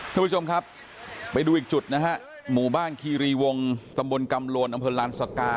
ทุกผู้ชมครับไปดูอีกจุดนะฮะหมู่บ้านคีรีวงตำบลกำโลนอำเภอลานสกา